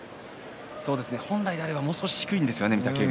本来であれば、もう少し低いんですよね、御嶽海。